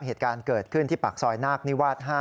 เหตุการณ์เกิดขึ้นที่ปากซอยนาคนิวาส๕